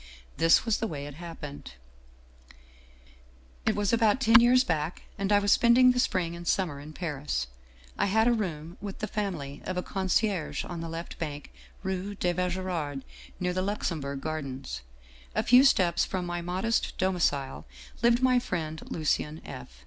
" This was the way it happened :" It was about ten years back, and I was spending the spring and summer in Paris. I had a room with the family of a concierge on the left bank, rue de Vaugirard, near the Luxembourg Gardens. " A few steps from my modest domicile lived my friend Lucien F.